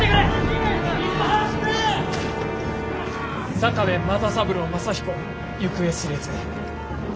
坂部又三郎正彦行方知れず。